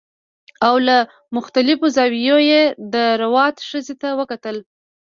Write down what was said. او له مختلفو زاویو یې د روات ښځې ته وکتل